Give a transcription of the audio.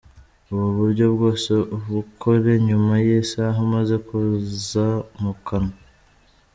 Ubu buryo bwose ubukore nyuma y’isaha umaze koza mu kanwa.